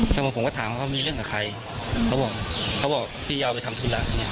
ทำไมผมก็ถามว่ามีเรื่องกับใครเขาบอกเขาบอกพี่ยาวไปทำธุรกิจเนี้ย